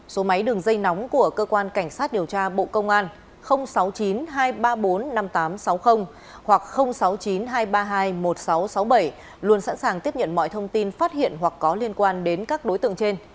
số máy đường dây nóng của cơ quan cảnh sát điều tra bộ công an sáu mươi chín hai trăm ba mươi bốn năm nghìn tám trăm sáu mươi hoặc sáu mươi chín hai trăm ba mươi hai một nghìn sáu trăm sáu mươi bảy luôn sẵn sàng tiếp nhận mọi thông tin phát hiện hoặc có liên quan đến các đối tượng trên